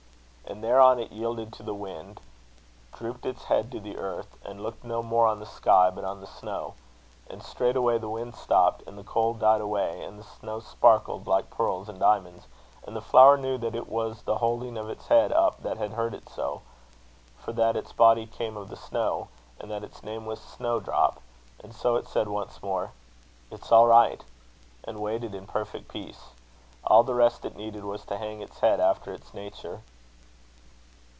And thereon it yielded to the wind, drooped its head to the earth, and looked no more on the sky, but on the snow. And straightway the wind stopped, and the cold died away, and the snow sparkled like pearls and diamonds; and the flower knew that it was the holding of its head up that had hurt it so; for that its body came of the snow, and that its name was Snow drop. And so it said once more, 'It's all right!' and waited in perfect peace. All the rest it needed was to hang its head after its nature."